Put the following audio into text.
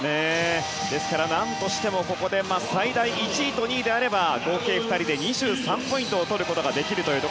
ですから何としてもここで最大１位と２位であれば合計、２人で２３ポイントを取ることができます。